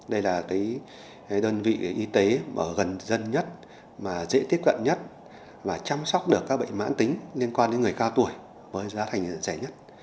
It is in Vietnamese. đây là đơn vị y tế gần dân nhất mà dễ tiếp cận nhất và chăm sóc được các bệnh mãn tính liên quan đến người cao tuổi với giá thành rẻ nhất